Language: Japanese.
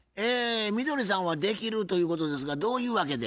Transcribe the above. みどりさんはできるということですがどういう訳で？